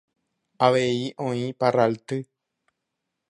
Avei oĩ parralty.